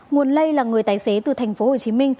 nguồn lây là người tái xế từ tp hcm